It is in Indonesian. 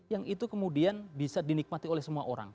yang itu kemudian bisa dinikmati oleh semua orang